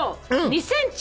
２ｃｍ。